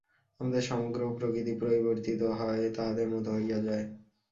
আমাদের সমগ্র প্রকৃতি পরিবর্তিত হয়, তাঁহাদের মত হইয়া যায়।